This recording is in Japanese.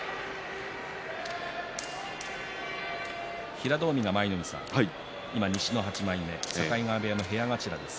平戸海は西の８枚目境川部屋の部屋頭です。